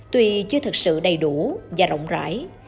tuy chưa thật sự đầy đủ và rộng rãi